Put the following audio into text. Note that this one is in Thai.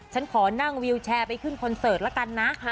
ฉันขอนั่งวิวแชร์ไปขึ้นคอนเสิร์ตละกันนะ